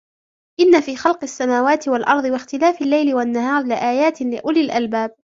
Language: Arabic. إِنَّ فِي خَلْقِ السَّمَاوَاتِ وَالْأَرْضِ وَاخْتِلَافِ اللَّيْلِ وَالنَّهَارِ لَآيَاتٍ لِأُولِي الْأَلْبَابِ